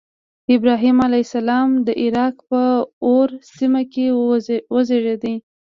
ابراهیم علیه السلام د عراق په أور سیمه کې وزیږېد.